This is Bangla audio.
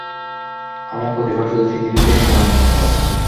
আমার প্রতিভা শুধু পৃথিবীতেই মান্যতা পাবে না।